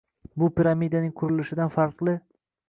Bu piramidaning qurilishidan farqli.